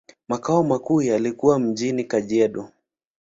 Makao makuu yalikuwa mjini Kajiado.